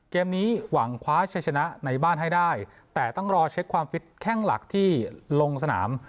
เกมนี้หวังคว้าชัยชนะในบ้านให้ได้แต่ต้องรอเช็คความฟิตแข้งหลักที่ลงสนาม